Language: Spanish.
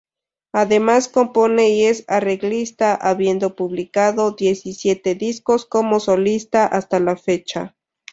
Además compone y es arreglista, habiendo publicado diecisiete discos como solista hasta la fecha.